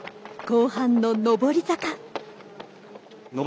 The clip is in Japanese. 後半の上り坂。